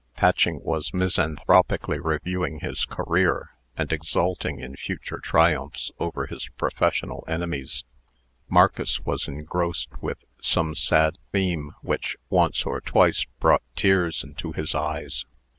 Patching was misanthropically reviewing his career, and exulting in future triumphs over his professional enemies. Marcus was engrossed with some sad theme which, once or twice, brought tears into his eyes.